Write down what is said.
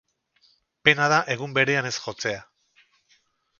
Pena da egun berean ez jotzea.